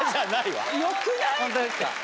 ホントですか？